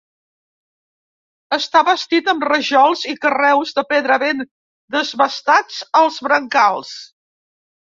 Està bastit amb rajols i carreus de pedra ben desbastats als brancals.